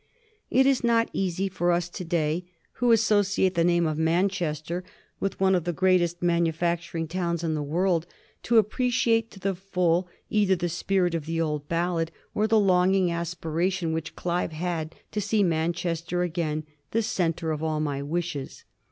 It is not easy for us of to day, who associ ate the name of Manchester with one of the greatest manu facturing towns in the world, to appreciate to the full either the spirit of the old ballad or the longing aspiration which Olive had to see again Manchester, " the centre of all my wishes."